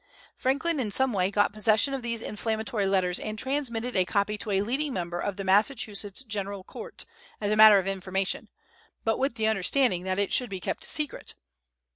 Franklin in some way got possession of these inflammatory letters, and transmitted a copy to a leading member of the Massachusetts General Court, as a matter of information, but with the understanding that it should be kept secret.